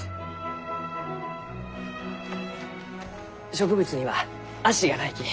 植物には足がないき。